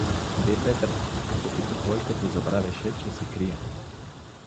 — Де Петра? — попита той, като забравяше, че се крие.